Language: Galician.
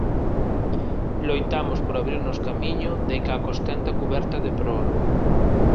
loitamos por abrirnos camiño deica a costenta cuberta de proa.